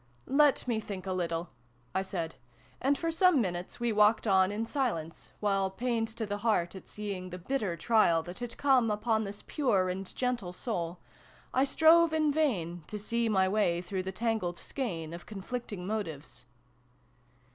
" Let me think a little," I said : and for some minutes we walked on in silence, while ii] LOVE'S CURFEW. 31 pained to the heart at seeing the bitter trial that had come upon this pure and gentle soul, I strove in vain to see my way through the tangled skein of conflicting motives.